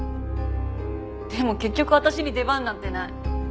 でも結局私に出番なんてない。